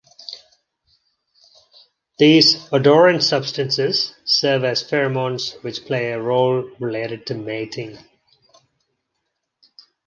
These odorant substances serve as pheromones which play a role related to mating.